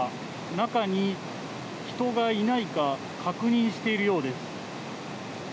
中に人がいないか確認しているようです。